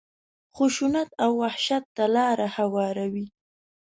خشونت او وحشت ته لاره هواروي.